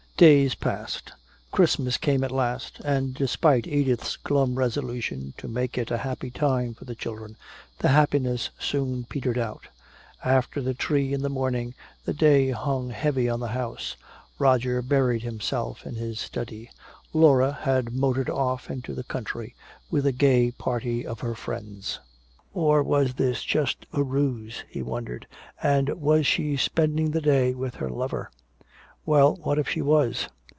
Days passed. Christmas came at last, and despite Edith's glum resolution to make it a happy time for the children, the happiness soon petered out. After the tree in the morning, the day hung heavy on the house. Roger buried himself in his study. Laura had motored off into the country with a gay party of her friends. Or was this just a ruse, he wondered, and was she spending the day with her lover? Well, what if she was?